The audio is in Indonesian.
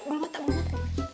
belum matang belum matang